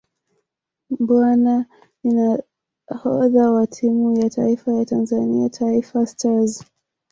Mbwana ni nahodha wa timu ya taifa ya Tanzania Taifa Stars